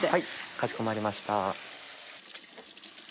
かしこまりました。